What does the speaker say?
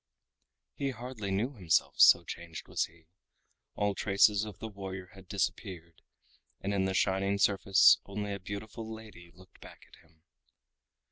He hardly knew himself, so changed was he. All traces of the warrior had disappeared, and in the shining surface only a beautiful lady looked back at him.